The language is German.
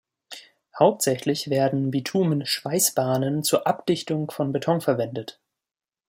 Hauptsächlich werden Bitumen-Schweißbahnen zur Abdichtung von Beton verwendet.